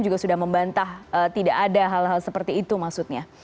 juga sudah membantah tidak ada hal hal seperti itu maksudnya